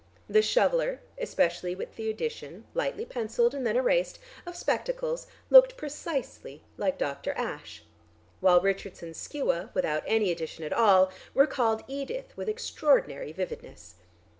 The Shoveller, especially with the addition (lightly pencilled and then erased) of spectacles looked precisely like Dr. Ashe, while Richardson's Skua without any addition at all recalled Edith with extraordinary vividness.